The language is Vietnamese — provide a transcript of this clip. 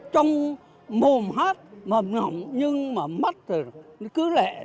trong mồm hát mầm nhộn nhưng mắt cứ lệ